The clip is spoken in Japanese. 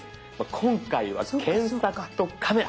今回は検索とカメラ